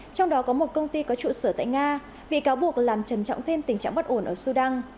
trong đó có một công ty có trụ sở tại nga bị cáo buộc làm trầm trọng thêm tình trạng bất ổn ở sudan